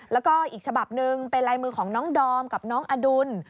แล้วก็อีกฉบับหนึ่งเป็นลายมือของน้องดอมกับน้องอดุล